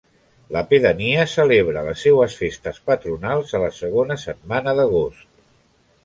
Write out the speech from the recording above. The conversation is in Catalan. La pedania celebra les seues festes patronals a la segona setmana d'agost.